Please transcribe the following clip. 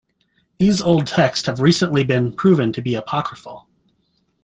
These old texts have recently been proven to be apocryphal.